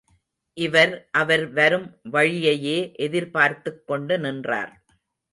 இவர் அவர் வரும் வழியையே—எதிர்பார்த்துக் கொண்டு நின்றார்.